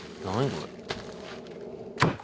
これ。